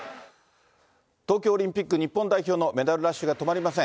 東京オリンピック日本代表のメダルラッシュが止まりません。